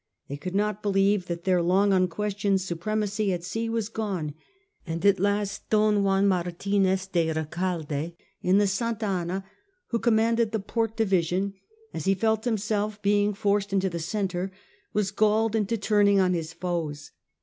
They could not believe that their long unquestioned supremacy at sea was gone ; and at last Don Juan Martinez de Recalde in the Santa Anna, who commanded the port division, as he felt himself being forced into the centre, was galled into turning on his foes.